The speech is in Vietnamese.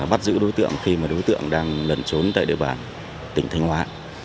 chúng tôi đã giữ đối tượng khi đối tượng đang lẩn trốn tại địa bàn tỉnh thanh hoa